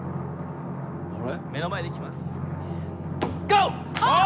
目の前でいきます。